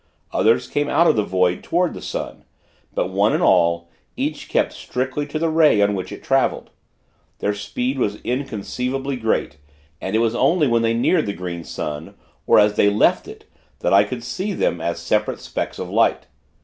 Others came out of the void, toward the Sun; but one and all, each kept strictly to the ray in which it traveled. Their speed was inconceivably great; and it was only when they neared the Green Sun, or as they left it, that I could see them as separate specks of light.